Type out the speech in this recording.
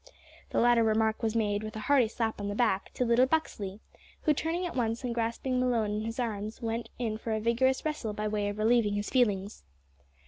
The latter remark was made, with a hearty slap on the back, to little Buxley, who, turning at once and grasping Malone in his arms, went in for a vigorous wrestle by way of relieving his feelings.